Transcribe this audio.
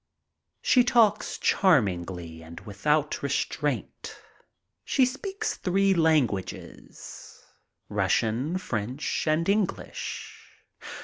She talks charmingly and without restraint. She speaks three languages — Russian, French, and English.